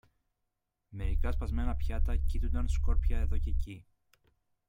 μερικά σπασμένα πιάτα κείτουνταν σκόρπια εδώ κι εκεί